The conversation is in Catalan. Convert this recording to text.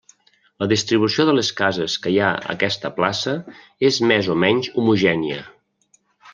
La distribució de les cases que hi ha aquesta plaça és més o menys homogènia.